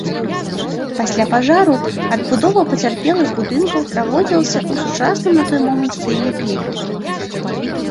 Пасля пажару адбудова пацярпелых будынкаў праводзілася ў сучасным на той момант стылі эклектыкі.